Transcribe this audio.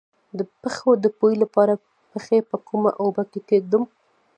د پښو د بوی لپاره پښې په کومو اوبو کې کیږدم؟